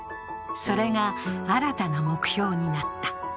それが新たな目標になった。